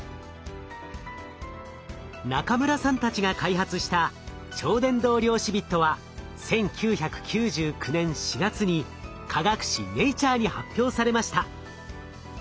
中村さんたちが開発した超伝導量子ビットは１９９９年４月に科学誌「ネイチャー」に発表されました。